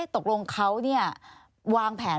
บอกลงเขาเนี่ยวางแผน